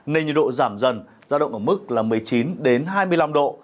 nền nhiệt độ giảm dần ra động ở mức là một mươi chín đến hai mươi năm độ